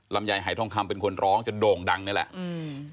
ลำไยหายทองคำเป็นคนร้องจนโด่งดังนี่แหละอืม